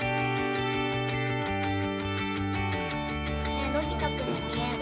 ねえのび太君に見える？